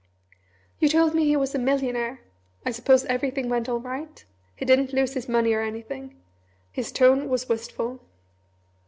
"You told me he was a millionaire! I suppose everything went all right? He didn't lose his money or anything?" His tone was wistful.